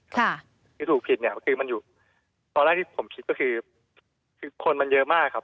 คิดถูกผิดเนี่ยตอนแรกที่ผมคิดก็คือคนมันเยอะมากครับ